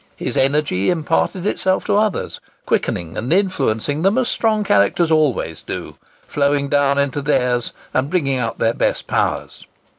His energy imparted itself to others, quickening and influencing them as strong characters always do—flowing down into theirs, and bringing out their best powers.